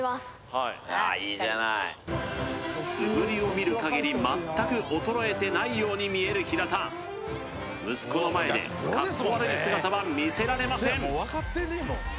はいああいいじゃない素振りを見る限り全く衰えてないように見える平田息子の前でかっこ悪い姿は見せられません